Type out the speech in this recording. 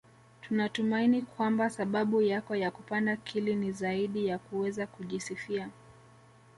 Tunatumaini kwamba sababu yako ya kupanda Kili ni zaidi ya kuweza kujisifia